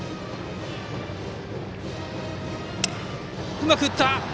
うまく打った！